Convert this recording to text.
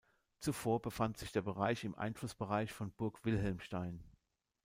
Zuvor befand sich dieser Bereich im Einflussbereich von Burg Wilhelmstein.